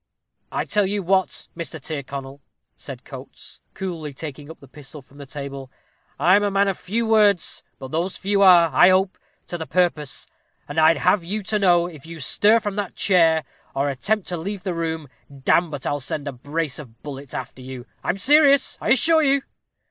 "I tell you what, Mr. Tyrconnel," said Coates, coolly taking up the pistol from the table, "I'm a man of few words, but those few are, I hope, to the purpose, and I'd have you to know if you stir from that chair, or attempt to leave the room, damme but I'll send a brace of bullets after you. I'm serious, I assure you."